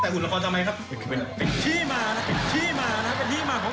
สวัสดีคร้าบนายหรือเปอร์เพียสครับ